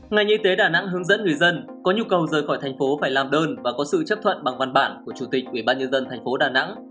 ngành y tế đà nẵng hướng dẫn người dân có nhu cầu rời khỏi thành phố phải làm đơn và có sự chấp thuận bằng văn bản của chủ tịch ubnd tp đà nẵng